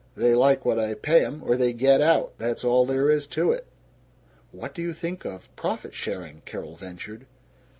They like what I pay 'em, or they get out. That's all there is to it!" "What do you think of profit sharing?" Carol ventured.